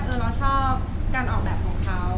เราชอบการออกแบบของเขา